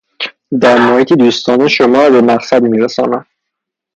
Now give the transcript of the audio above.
در محیطی دوستانه شما را به مقصد می رسانم.